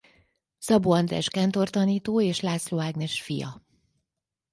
Szabó András kántortanító és László Ágnes fia.